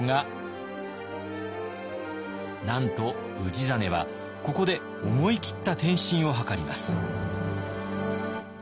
なんと氏真はここで思い切った転身を図ります。